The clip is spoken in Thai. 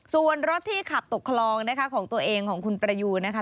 ส่วนรถที่ขับตกคลองนะคะของตัวเองของคุณประยูนนะคะ